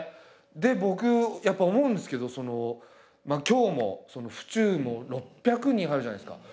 で僕やっぱ思うんですけど今日も府中の６００人入るじゃないですか。